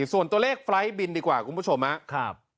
ส่วนตัวเลขไฟล์ทบินดีกว่าคุณผู้ชมครับ